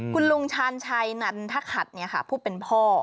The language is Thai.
คุณลงชาญชายนันทคัทเนี่ยค่ะพูดเป็นพ่อ